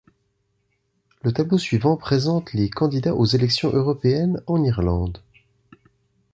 Le tableau suivant présente les candidats aux élections européennes en Irlande.